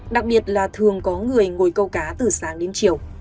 đặc biệt là thường có người ngồi câu cá từ sáng đến chiều